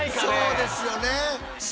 そうですよね。